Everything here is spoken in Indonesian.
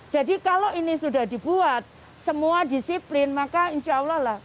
jadi kalau ini sudah dibuat semua disiplin maka insya allah